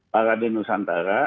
para di nusantara